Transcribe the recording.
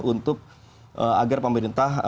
untuk agar pemerintah